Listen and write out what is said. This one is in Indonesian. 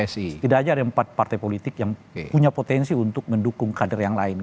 tidak saja ada empat partai politik yang punya potensi untuk mendukung kader yang lain